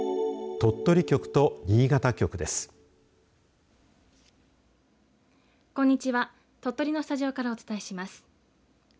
鳥取のスタジオからお伝えします。